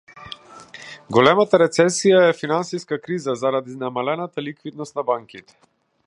Големата рецесија е финансиска криза заради намалената ликвидност на банките.